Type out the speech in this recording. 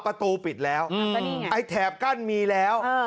ประตูปิดแล้วอืมไอ้เทปกั้นมีแล้วเออ